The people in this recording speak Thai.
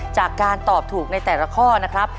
จากการตอบถูกในแต่ละข้อนะครับ